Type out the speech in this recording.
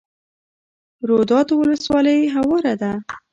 روداتو ولسوالۍ هواره ده؟